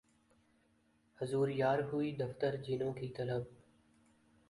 حضور یار ہوئی دفتر جنوں کی طلب